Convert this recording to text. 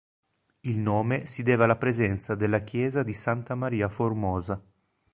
Il nome si deve alla presenza della chiesa di Santa Maria Formosa.